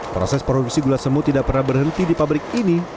proses produksi gula semut tidak pernah berhenti di pabrik ini